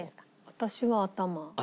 私は頭。